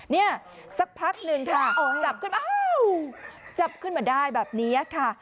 เนี่ยสักพักหนึ่งค่ะจับขึ้นมาจับขึ้นมาได้แบบนี้ค่ะ